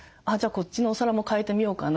こっちのお皿も替えてみようかな。